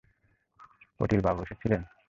পাটিল বাবু এসেছেন।